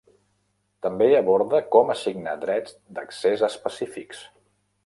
També aborda com assignar drets d'accés específics.